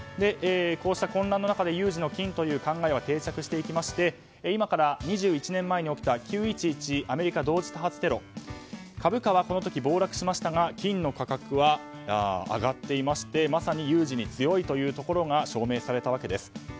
こうした混乱の中で有事の金という考えは定着していきまして今から２１年前に起きた９．１１アメリカ同時多発テロ株価はこの時、暴落しましたが金の価格は上がっていましてまさに有事に強いところが証明されたわけです。